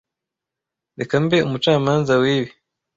Reka mbe umucamanza wibi.